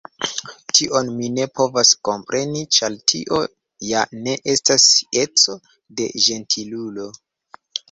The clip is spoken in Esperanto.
Tion mi ne povas kompreni, ĉar tio ja ne estas eco de ĝentilulo.